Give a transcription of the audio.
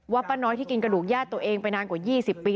ป้าน้อยที่กินกระดูกญาติตัวเองไปนานกว่า๒๐ปี